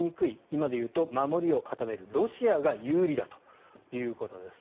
今でいうと守りを固めるロシアが有利だということです。